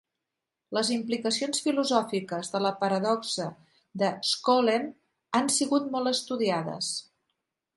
Les implicacions filosòfiques de la paradoxa de Skolem han sigut molt estudiades.